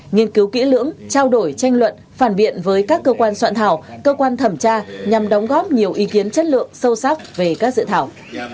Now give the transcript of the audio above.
nghiên cứu kỹ lưỡng trao đổi tranh luận phản biện với các cơ quan soạn thảo cơ quan thẩm tra nhằm đóng góp nhiều ý kiến chất lượng sâu sắc về các dự thảo